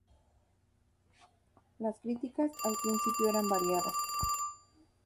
Las críticas al principio eran variadas.